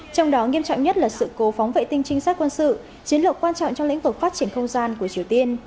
trong đó nghiêm trọng nhất là sự cố phóng vệ tinh trinh sát quân sự chiến lược quan trọng trong lĩnh vực phát triển không gian của triều tiên